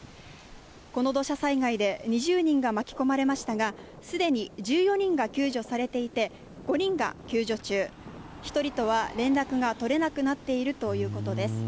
この土砂災害で２０人が巻き込まれましたが、すでに１４人が救助されていて、５人が救助中、１人とは連絡が取れなくなっているということです。